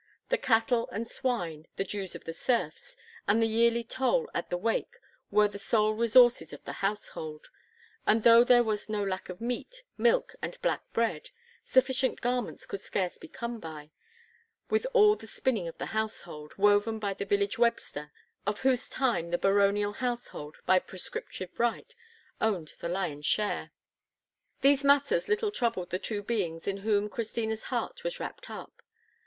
The cattle and swine, the dues of the serfs, and the yearly toll at the wake were the sole resources of the household; and though there was no lack of meat, milk, and black bread, sufficient garments could scarce be come by, with all the spinning of the household, woven by the village webster, of whose time the baronial household, by prescriptive right, owned the lion's share. These matters little troubled the two beings in whom Christina's heart was wrapped up.